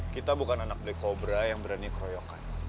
kita bukan anak black cobra yang berani keroyokan